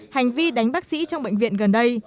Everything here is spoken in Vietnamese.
hành vi đánh bác sĩ trong bệnh viện gần đây